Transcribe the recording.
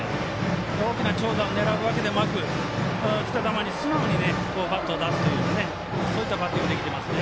大きな長打を狙うわけでもなくきた球に素直にバットを出すというそういったバッティングできてますね。